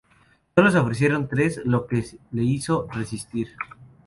Sólo se ofrecieron tres, lo que le hizo desistir.